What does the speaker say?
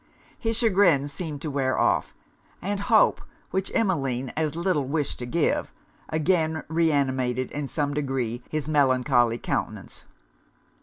His chagrin seemed to wear off; and hope, which Emmeline as little wished to give, again reanimated in some degree his melancholy countenance.